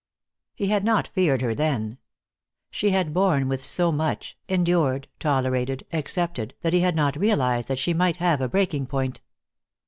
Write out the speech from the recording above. He had not feared her then. She had borne with so much, endured, tolerated, accepted, that he had not realized that she might have a breaking point.